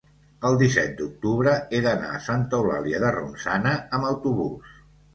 el disset d'octubre he d'anar a Santa Eulàlia de Ronçana amb autobús.